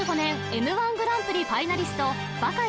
Ｍ−１グランプリファイナリスト馬鹿よ